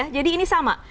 jadi ini sama